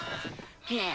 ねえ